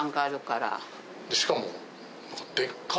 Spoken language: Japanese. しかも。